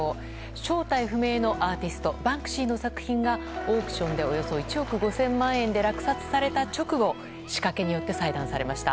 正体不明のアーティストバンクシーの作品がオークションでおよそ１億５０００万円で落札された直後仕掛けによって細断されました。